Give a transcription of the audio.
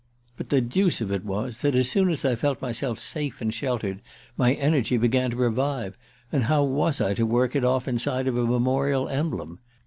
But the deuce of it was that as soon as I felt myself safe and sheltered my energy began to revive; and how was I to work it off inside of a memorial emblem?